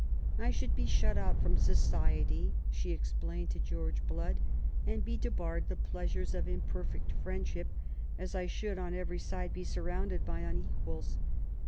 *' I should be shut out from society/' she explained to George Blood, '' and be debarred the pleasures of imperfect friend ship, as I should on every side be surrounded by unequals.